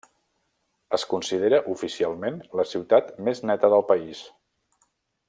Es considera oficialment la ciutat més neta del país.